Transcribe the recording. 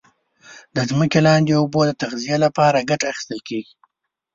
د ځمکې لاندي اوبو د تغذیه لپاره کټه اخیستل کیږي.